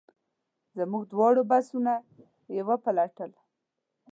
زموږ دواړه بکسونه یې وپلټل.